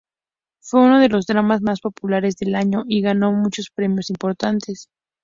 Fue uno de los dramas más populares del año y ganó muchos premios importantes.